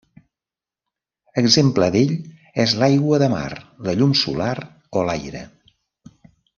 Exemple d'ell és l'aigua de mar, la llum solar o l'aire.